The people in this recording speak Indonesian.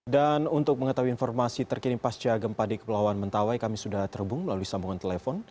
dan untuk mengetahui informasi terkini pasca gempa di kepulauan mentawai kami sudah terhubung melalui sambungan telepon